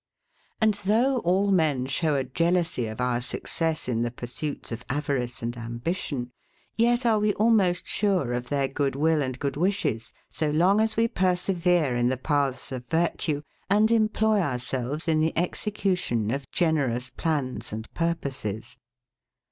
And though all men show a jealousy of our success in the pursuits of avarice and ambition; yet are we almost sure of their good will and good wishes, so long as we persevere in the paths of virtue, and employ ourselves in the execution of generous plans and purposes.